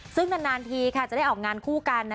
ซึ่งนานทีจะได้ออกงานคู่กัน